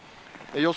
予想